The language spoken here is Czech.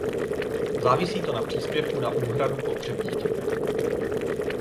Závisí to na příspěvku na úhradu potřeb dítěte.